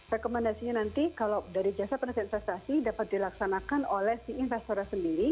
rekomendasinya nanti kalau dari jasa penasihat investasi dapat dilaksanakan oleh si investornya sendiri